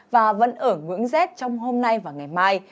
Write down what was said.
và vẫn ở ngưỡng rét trong hôm nay và ngày mai